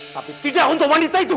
tapi tidak untuk wanita itu